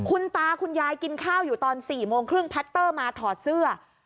คุณตาคุณยายกินข้าวอยู่ตอน๔โมงครึ่งพัตเตอร์มาถอดเสื้อ